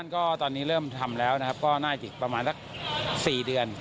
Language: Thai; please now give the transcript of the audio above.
ก็ตอนนี้เริ่มทำแล้วนะครับก็น่าจะอีกประมาณสัก๔เดือน